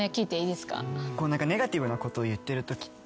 ネガティブなことを言ってるときって。